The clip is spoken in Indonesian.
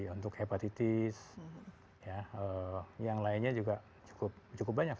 untuk hepatitis yang lainnya juga cukup banyak